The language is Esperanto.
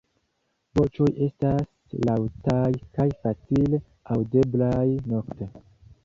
Voĉoj estas laŭtaj kaj facile aŭdeblaj nokte.